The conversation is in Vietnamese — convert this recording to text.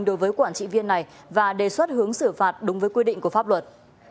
đối với quản trị viên này và đề xuất hướng xử phạt đúng với quy định của pháp luật